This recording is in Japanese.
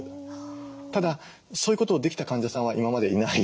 ただそういうことをできた患者さんは今までいないんです。